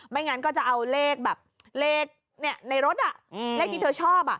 งั้นก็จะเอาเลขแบบเลขในรถเลขที่เธอชอบ